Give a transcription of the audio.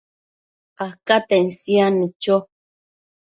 acaten siadnu cho